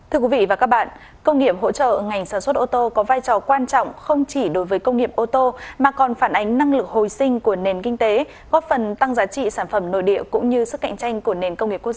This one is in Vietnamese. hãy đăng ký kênh để ủng hộ kênh của chúng tôi nhé